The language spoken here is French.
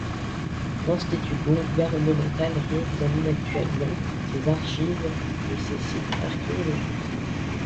L'institut gouvernemental réexamine actuellement ses archives et ses sites archéologiques.